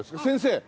先生？